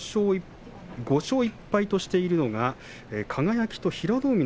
５勝１敗としているのが輝と平戸海。